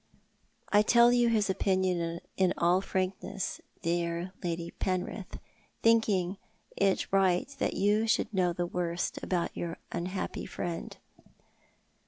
I tell you his opinion in all frankness, dear Lady Penrith, thinking it right that you should know the worst about your unhappy friend.